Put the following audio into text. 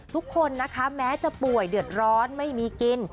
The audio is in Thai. ทุกคนนะคะแม้จะป่วยเดือดร้อนไม่มีกิน